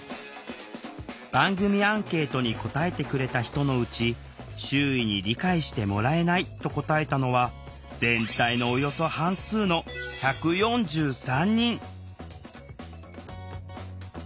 番組アンケートに答えてくれた人のうち「周囲に理解してもらえない」と答えたのは全体のおよそ半数の１４３人。